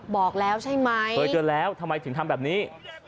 บอกแล้วใช่ไหมเคยเตือนแล้วทำไมถึงทำแบบนี้